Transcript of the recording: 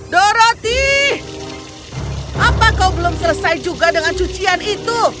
doroti apa kau belum selesai juga dengan cucian itu